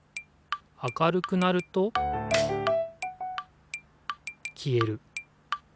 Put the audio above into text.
明るくなるときえる。